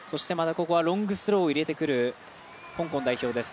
ロングスローを入れてくる香港代表です。